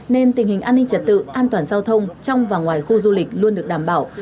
nên tình hình an ninh trật tự an toàn giao thông trong và ngoài khu du lịch luôn được đảm bảo